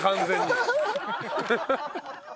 ハハハ。